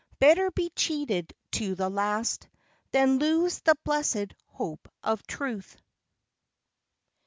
Better be cheated to the last Than lose the blessed hope of truth.